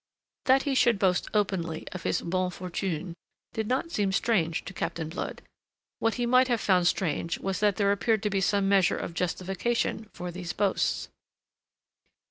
That he should boast openly of his bonnes fortunes did not seem strange to Captain Blood; what he might have found strange was that there appeared to be some measure of justification for these boasts.